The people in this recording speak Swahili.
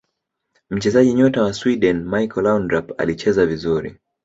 mchezaji nyota wa sweden michael laundrap alicheza vizuri